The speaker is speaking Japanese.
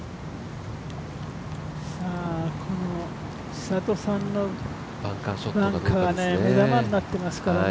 千怜さんのバンカーが目玉になっていますからね。